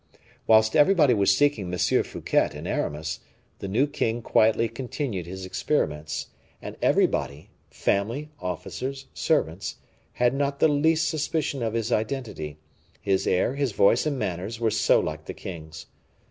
Whilst everybody was seeking M. Fouquet and Aramis, the new king quietly continued his experiments, and everybody, family, officers, servants, had not the least suspicion of his identity, his air, his voice, and manners were so like the king's.